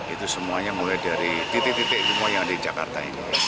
itu semuanya mulai dari titik titik semua yang ada di jakarta ini